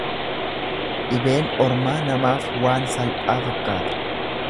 Dhibeen ormaa namaaf waan salphaa fakkaata.